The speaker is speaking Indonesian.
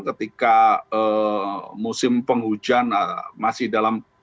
ketika musim penghujan masih dalam